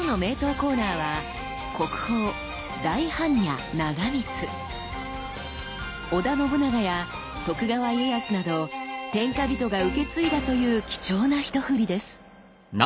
コーナーは織田信長や徳川家康など天下人が受け継いだという貴重なひとふりです。